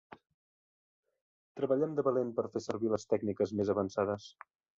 Treballem de valent per fer servir les tècniques més avançades.